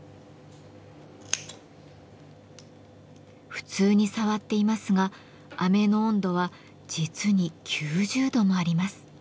普通に触っていますが飴の温度は実に９０度もあります。